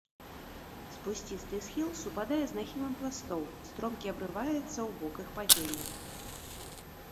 Спусцісты схіл супадае з нахілам пластоў, стромкі абрываецца ў бок іх падзення.